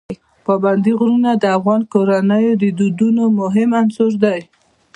پابندی غرونه د افغان کورنیو د دودونو مهم عنصر دی.